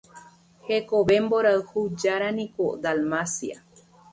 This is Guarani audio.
Hekove mborayhu járaniko Dalmacia.